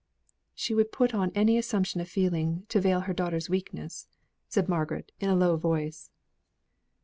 "She would put on any assumption of feeling to veil her daughter's weakness," said Margaret in a low voice.